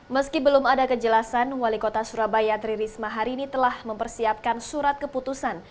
meski belum ada kejelasan wali kota surabaya tri risma hari ini telah mempersiapkan surat keputusan